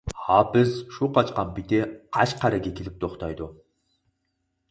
ھاپىز شۇ قاچقان پېتى قەشقەرگە كېلىپ توختايدۇ.